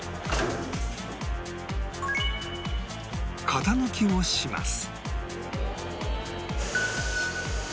型抜きをします